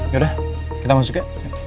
yaudah kita masuk ya